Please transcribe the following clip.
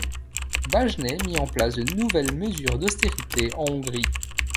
Bajnai mis en place de nouvelles mesures d'austérité en Hongrie.